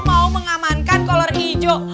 mau mengamankan kolor ijo